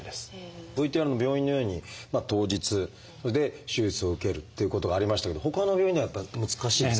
ＶＴＲの病院のように当日それで手術を受けるっていうことがありましたけどほかの病院ではやっぱ難しいんですか？